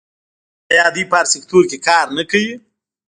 آیا دوی په هر سکتور کې کار نه کوي؟